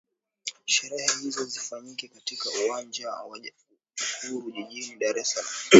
sherehe hizo zifanyike katika uwanja wa uhuru jijini dar es salaam